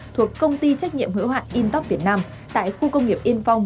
thuộc công ty trách nhiệm hữu hạn intok việt nam tại khu công nghiệp yên phong